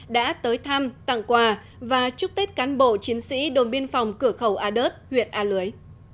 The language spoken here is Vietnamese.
đã tới thăm tặng quà và chúc tết cán bộ chiến sĩ đồn biên phòng cửa khẩu a đớt huyện a lưới